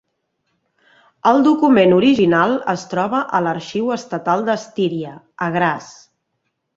El document original es troba a l'arxiu estatal d'Estíria, a Graz.